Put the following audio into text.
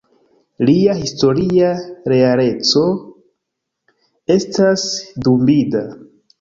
Lia historia realeco estas dubinda.